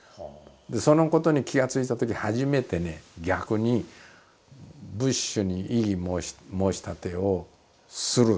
そのことに気が付いたとき初めてね逆にブッシュに異議申し立てをする。